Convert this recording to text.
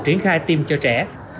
triển khai tiêm cho trẻ